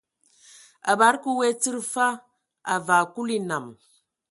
A bade ka we tsid fa, a vaa Kulu enam.